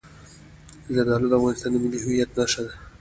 زردالو د افغانستان د ملي هویت نښه ده.